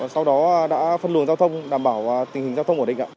sau đó đã phân luồng giao thông đảm bảo tình hình giao thông ổn định